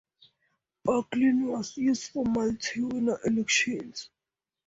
Bucklin was used for multiwinner elections.